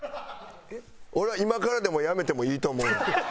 俺は今からでもやめてもいいと思う。